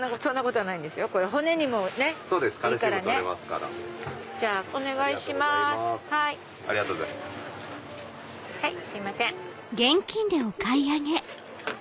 はいすいません。